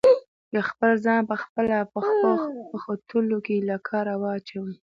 چې خپل ځان په خپله په خوټلون کې له کاره واچوي؟